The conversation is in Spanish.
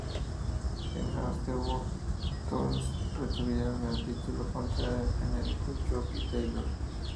En As The Worm Turns retuvieron el título contra El Generico y Chuck Taylor.